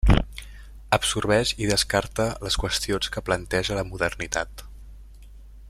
Absorbeix i descarta les qüestions que planteja la modernitat.